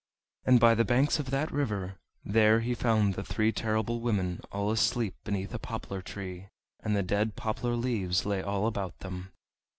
And by the banks of that river, there he found the three Terrible Women all asleep beneath a poplar tree, and the dead poplar leaves lay all about them.